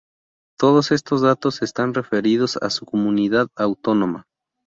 Todos estos datos están referidos a su comunidad autónoma.